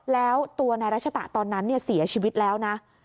แล้วตัวนายรัชตะตอนนั้นเสียชีวิตแล้วนะ